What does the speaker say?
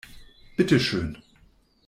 Bitte schön!